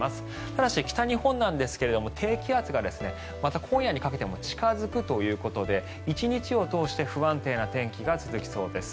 ただし、北日本なんですが低気圧がまた今夜にかけても近付くということで１日を通して不安定な天気が続きそうです。